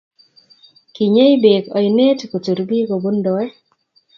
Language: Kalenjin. Kinyei beek oinet kutur biik kobundoe